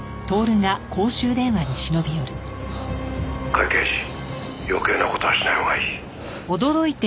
「甲斐刑事余計な事はしない方がいい」